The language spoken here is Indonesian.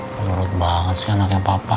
menurut banget sih anaknya papa